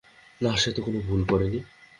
না, সে তো কোনো ভুল করেনি।